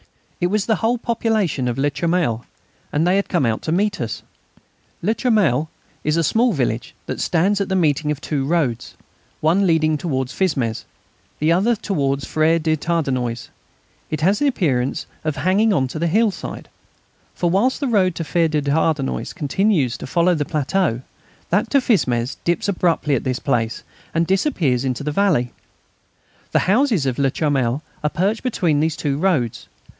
It was the whole population of Le Charmel that had come out to meet us. Le Charmel is a small village that stands at the meeting of two roads, one leading towards Fismes, the other towards Fère en Tardenois. It has the appearance of hanging on to the hillside, for whilst the road to Fère en Tardenois continues to follow the plateau, that to Fismes dips abruptly at this place and disappears in the valley. The houses of Le Charmel are perched between these two roads.